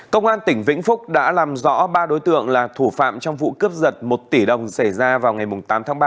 công an tỉnh vĩnh phúc đã làm rõ ba đối tượng là thủ phạm trong vụ cướp giật một tỷ đồng xảy ra vào ngày tám tháng ba